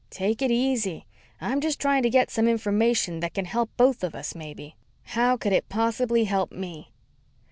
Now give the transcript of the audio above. "Take it easy. I'm just trying to get some information that can help both of us, maybe." "How could it possibly help me?"